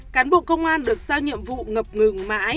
cán bộ công an được giao nhiệm vụ ngập ngừng mãi